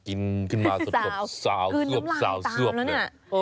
กลิ่นขึ้นมาสะอาดสะอาดสะอาดสะอาดสะอาดสะอาดแล้วเนี่ย